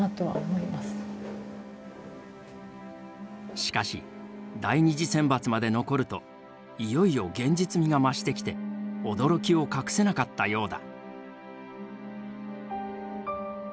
しかし第２次選抜まで残るといよいよ現実味が増してきて驚きを隠せなかったようだ。